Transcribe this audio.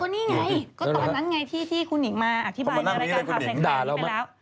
นี่ไงก็ตอนนั้นไงที่คุณหญิงมาอธิบายในรายการข่าวใส่ไข่ไปแล้ว